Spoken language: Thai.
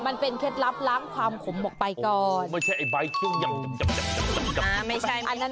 มันเป็นเคล็ดลับล้างความขมออกไปก่อน